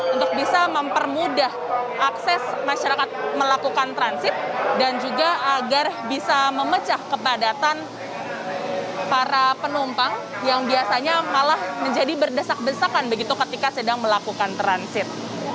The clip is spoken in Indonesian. untuk bisa mempermudah akses masyarakat melakukan transit dan juga agar bisa memecah kepadatan para penumpang yang biasanya malah menjadi berdesak desakan begitu ketika sedang melakukan transit